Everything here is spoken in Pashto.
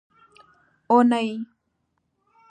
اونۍ